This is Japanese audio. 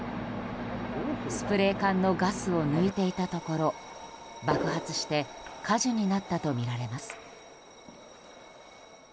スプレー缶のガスを抜いていたところ爆発して火事になったとみられます。